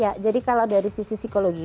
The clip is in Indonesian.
ya jadi kalau dari sisi psikologi